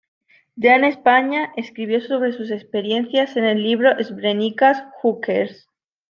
Ya en España, escribió sobre sus experiencias en el libro Srebrenica, who cares?